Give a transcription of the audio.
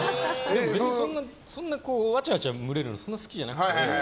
わちゃわちゃ群れるのそんな好きじゃなくて。